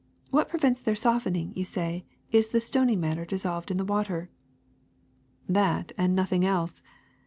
What prevents their softening, you say, is the stony matter dissolved in the water." *^That, and nothing else.